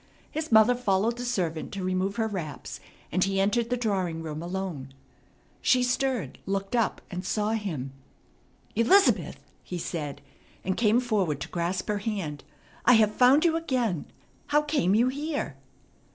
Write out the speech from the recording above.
His mother followed the servant to remove her wraps, and he entered the drawing room alone. She stirred, looked up, and saw him. "Elizabeth!" he said, and came forward to grasp her hand. "I have found you again. How came you here?"